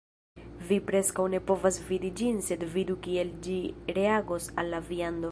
Vi preskaŭ ne povas vidi ĝin sed vidu kiel ĝi reagos al la viando